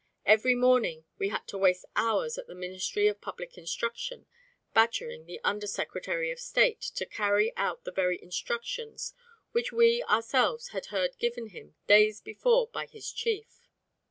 Every morning we had to waste hours at the Ministry of Public Instruction badgering the Under Secretary of State to carry out the very instructions which we ourselves had heard given him days before by his chief.